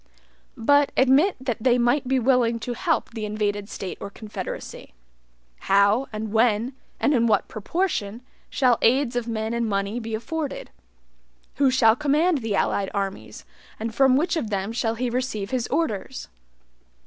But admit that they might be willing to help the invaded State or confederacy. How, and when, and in what proportion shall aids of men and money be afforded? Who shall command the allied armies, and from which of them shall he receive his orders?